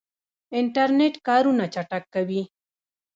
انټرنیټ کارونه چټکوي